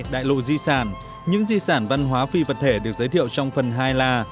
đại lộ di sản những di sản văn hóa phi vật thể được giới thiệu trong phần hai là